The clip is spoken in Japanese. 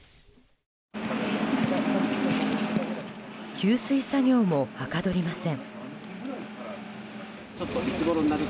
給水作業も、はかどりません。